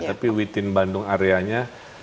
tapi within bandung areanya